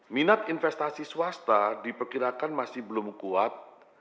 minat investasi swasta diperkirakan masih belum kuat